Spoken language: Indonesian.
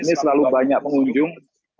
ini selalu banyak pengunjung